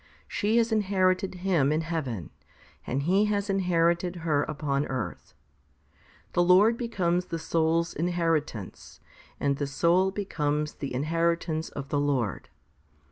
She has inherited Him in heaven, and He has inherited her upon earth. The Lord becomes the soul's inheritance, and the soul becomes the inheritance of the Lord.